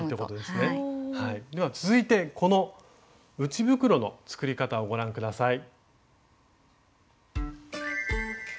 では続いてこの内袋の作り方をご覧下さい。